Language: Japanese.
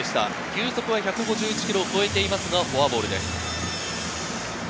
球速は１５１キロを超えていますがフォアボールです。